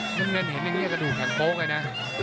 มึงแน่นต์เห็นอย่างนี้กระดูกแข่งโบ๊คไว้นะ